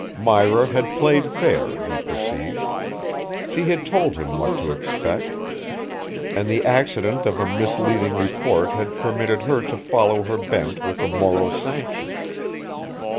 Myra had played fair, he perceived. She had told him what to expect. And the accident of a misleading report had permitted her to follow her bent with a moral sanction.